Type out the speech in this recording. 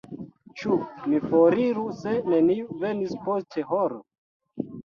Ĉu mi foriru se neniu venis post horo?